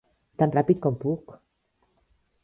Tan ràpid com puc!